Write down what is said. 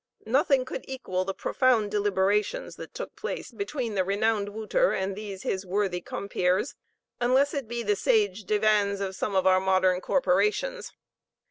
Nothing could equal the profound deliberations that took place between the renowned Wouter and these his worthy compeers, unless it be the sage divans of some of our modern corporations.